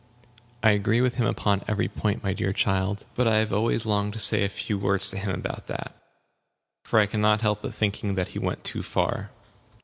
"I agree with him upon every point, my dear child; but I have always longed to say a few words about that. For I can not help thinking that he went too far."